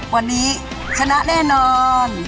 วันนี้ชนะแน่นอน